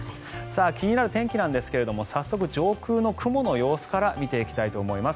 気になる天気なんですが早速、上空の雲の様子から見ていきたいと思います。